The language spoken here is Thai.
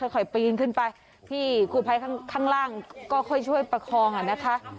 ค่อยปีนขึ้นไปพี่กูภัยข้างล่างก็ค่อยช่วยประคองอ่ะนะคะ